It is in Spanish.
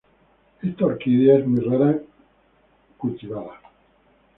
Esta orquídea es muy rara como cultivada.